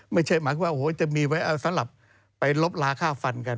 ไม่ใช่หมายความว่าโอ้โหจะมีไว้เอาสำหรับไปลบลาค่าฟันกัน